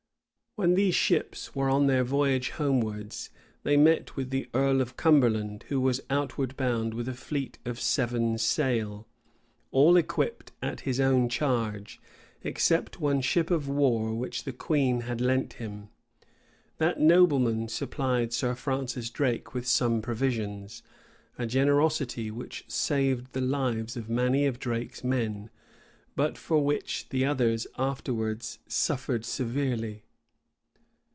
When these ships were on their voyage homewards, they met with the earl of Cumberland, who was outward bound, with a fleet of seven sail, all equipped at his own charge, except one ship of war which the queen had lent him. That nobleman supplied Sir Francis Drake with some provisions; a generosity which saved the lives of many of Drake's men, but for which the others afterwards suffered severely.